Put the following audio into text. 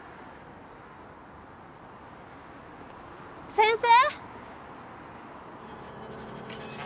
先生！